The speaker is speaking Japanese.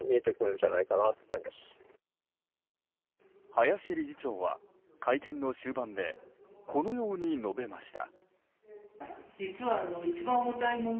林理事長は会見の終盤でこのように述べました。